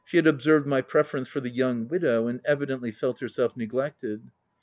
She had observed* my preference for the young widow, and evidently felt herself neglected.